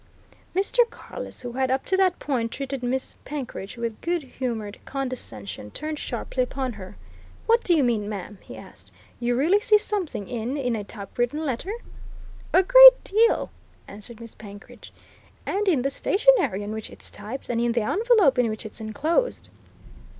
Mr. Carless, who had, up to that point, treated Miss Penkridge with good humoured condescension, turned sharply upon her. "What do you mean, ma'am?" he asked. "You really see something in in a typewritten letter?" "A great deal!" answered Miss Penkridge. "And in the stationery on which it's typed, and in the envelope in which it's inclosed.